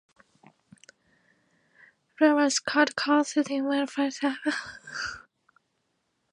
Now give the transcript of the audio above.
There are Scout courses in wildlife conservation and projects for increasing plant life.